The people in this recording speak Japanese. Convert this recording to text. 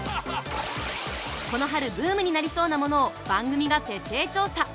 この春ブームになりそうなものを番組が徹底調査。